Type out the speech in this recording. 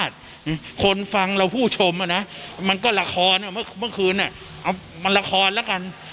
ต้องเข้าไปเถอะ